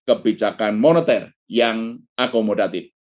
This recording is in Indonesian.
dan kebijakan moneter yang akomodatif